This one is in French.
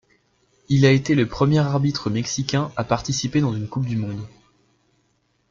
Il a été le premier arbitre mexicain à participer dans une coupe du monde.